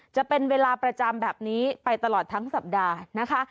จะเป็นเวลาประจำแบบนี้ไปตลอดทั้งสัปดาห์นะคะ